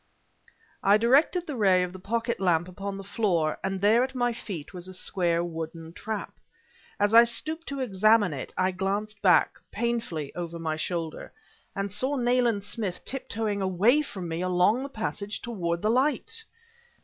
I directed the ray of the pocket lamp upon the floor, and there at my feet was a square wooden trap. As I stooped to examine it, I glanced back, painfully, over my shoulder and saw Nayland Smith tiptoeing away from me along the passage toward the light!